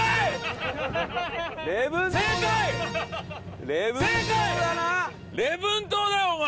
礼文島だよお前！